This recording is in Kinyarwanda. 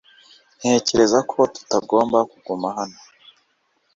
Ntekereza ko tutagomba kuguma hano